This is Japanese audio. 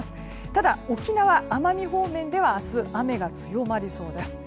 ただ、沖縄・奄美方面では明日、雨が強まりそうです。